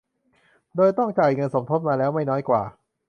โดยต้องจ่ายเงินสมทบมาแล้วไม่น้อยกว่า